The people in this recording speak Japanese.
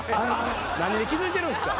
何で気付いてるんすか。